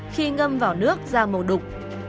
khi ngâm vào nước ra màu đục